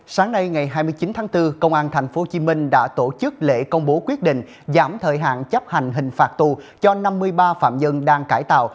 sáng nay ngày hai mươi chín tháng bốn công an tp hcm đã tổ chức lễ công bố quyết định giảm thời hạn chấp hành hình phạt tù cho năm mươi ba phạm nhân đang cải tạo